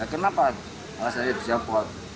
kenapa alasannya dicopot